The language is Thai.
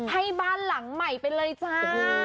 ให้บ้านหลังใหม่ไปเลยจ้า